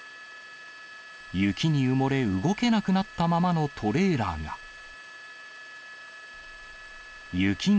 雪に埋もれ、動けなくなったままのトレーラーが。